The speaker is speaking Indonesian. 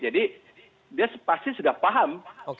jadi dia pasti sudah paham